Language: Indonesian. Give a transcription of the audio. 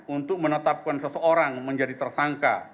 untuk menetapkan seseorang menjadi tersangka